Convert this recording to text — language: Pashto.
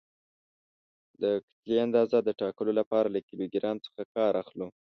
د کتلې اندازې د ټاکلو لپاره له کیلو ګرام څخه کار اخلو.